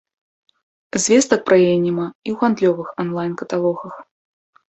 Звестак пра яе няма і ў гандлёвых анлайн-каталогах.